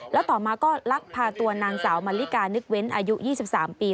แล้วต่อมาก็ลักพาตัวนางสาวมันลิกานึกเว้นอายุ๒๓ปี